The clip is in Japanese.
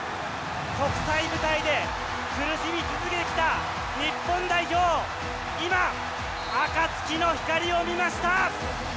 国際舞台で苦しみ続けてきた日本代表、今、あかつきの光を見ました。